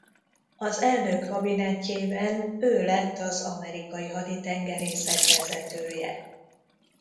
Az elnök kabinetjében ő lett az Amerikai Haditengerészet vezetője.